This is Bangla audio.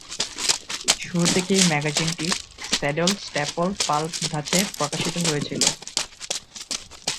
শুরু থেকেই ম্যাগাজিনটি স্যাডল-স্ট্যাপল পাল্প ধাঁচে প্রকাশিত হয়েছিল।